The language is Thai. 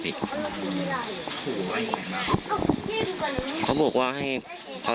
เป็นแฟนของคนนั้นน่ะครับ